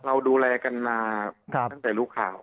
เราดูแลกันมาตั้งแต่รู้ข่าว